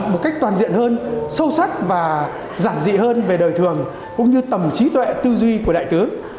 một cách toàn diện hơn sâu sắc và giản dị hơn về đời thường cũng như tầm trí tuệ tư duy của đại tướng